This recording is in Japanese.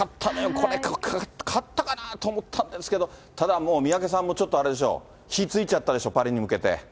これ、勝ったかなと思ったんですけど、ただもう、三宅さんもちょっとあれでしょ、火ついちゃったでしょ、パリに向けて。